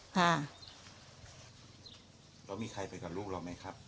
เรามีใครไปกับลูกเราไหมครับ